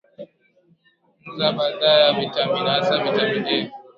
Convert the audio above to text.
nza baadhi ya vitamani hasa vitamini a